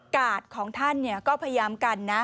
กาดของท่านก็พยายามกันนะ